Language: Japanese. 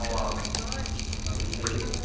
何十代ぐらいの方？